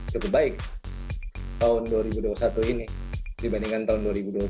cukup baik tahun dua ribu dua puluh satu ini dibandingkan tahun dua ribu dua puluh